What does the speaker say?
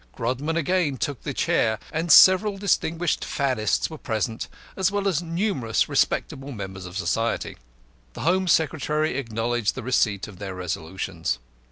Grodman again took the chair, and several distinguished faddists were present, as well as numerous respectable members of society. The Home Secretary acknowledged the receipt of their resolutions.